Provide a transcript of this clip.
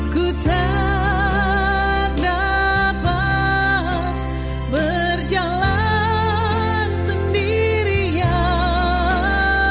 ku tak dapat berjalan sendirian